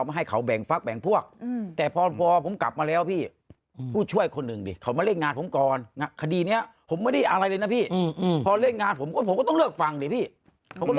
มันก็คือคำถามฉันยังโง่